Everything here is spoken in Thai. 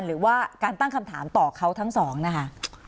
หรือว่าการตั้งคำถามต่อเขาทั้งสองนะคะ